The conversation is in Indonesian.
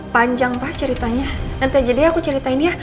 panjang pak ceritanya nanti aja deh aku ceritain ya